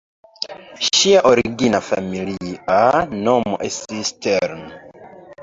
Ŝia origina familia nomo estis "Stern".